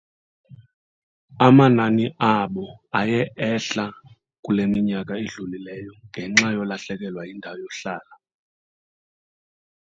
Their numbers have declined in recent years due to loss of habitat.